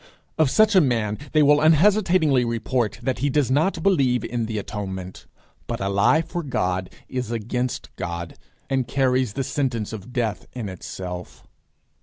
Of such a man they will unhesitatingly report that he does not believe in the atonement. But a lie for God is against God, and carries the sentence of death in itself.